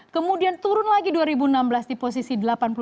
kemudian turun lagi dua ribu enam belas di posisi delapan puluh delapan